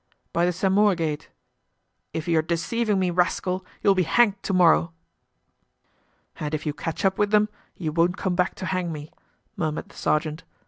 "By the Saint Maur gate." "If you are deceiving me, rascal, you will be hanged to morrow." "And if you catch up with them you won't come back to hang me," murmured the sergeant.